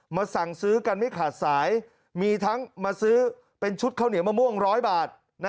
สั่งซื้อกันไม่ขาดสายมีทั้งมาซื้อเป็นชุดข้าวเหนียวมะม่วง๑๐๐บาท